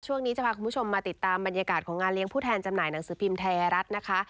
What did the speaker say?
ช่วงนี้จะพาคุณผู้ชมมาติดตามบรรยากาศของงานเลี้ยงผู้แทนจำหน่ายหนังสือพิมพ์ไทยรัฐนะคะ